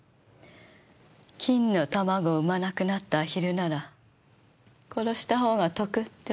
金の卵を産まなくなったアヒルなら殺したほうが得ってわけね。